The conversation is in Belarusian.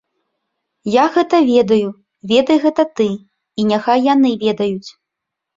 Я гэта ведаю, ведай гэта ты, і няхай яны ведаюць.